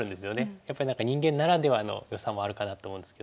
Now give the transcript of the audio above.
やっぱり何か人間ならではのよさもあるかなと思うんですけど。